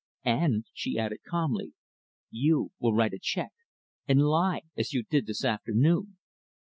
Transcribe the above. "And," she added calmly, "you will write a check and lie, as you did this afternoon."